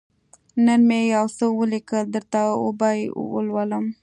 _نن مې يو څه ولېکل، درته وبه يې لولم.